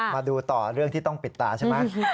มาดูต่อเรื่องที่ต้องปิดตาใช่ไหม